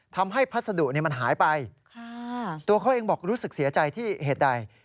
พัสดุมันหายไปตัวเขาเองบอกรู้สึกเสียใจที่เหตุใด